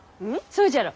そうじゃろ？